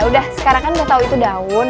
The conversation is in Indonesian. udah sekarang kan udah tahu itu daun